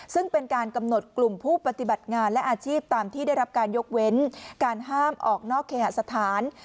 ซึ่งเป็นการกำหนดกลุ่มผู้ปฏิบัติงานและอาชีพตามที่ได้รับการยกเว้นการห้ามออกนอกเคหสถาน